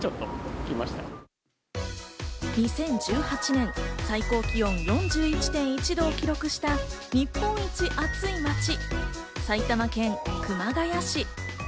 ２０１８年、最高気温４１．１度を記録した日本一暑い町・埼玉県熊谷市。